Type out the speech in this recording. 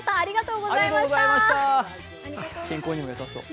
健康にもよさそう。